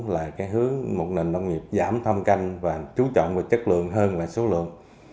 là cái hướng một nền nông nghiệp giảm thông canh và trú trọng về chất lượng hơn là số lượng